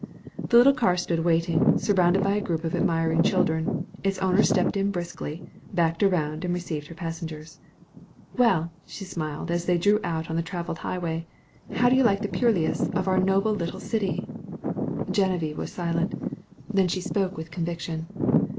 The little car stood waiting, surrounded by a group of admiring children. Its owner stepped in briskly, backed around and received her passengers. "Well," she smiled as they drew out on the traveled highway, "how do you like the purlieus of our noble little city?" Genevieve was silent. Then she spoke with conviction.